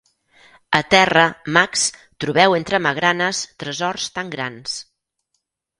A terra, mags, trobeu entre magranes tresors tan grans.